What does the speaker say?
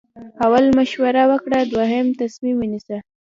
اول مشوره وکړه دوهم تصمیم ونیسه.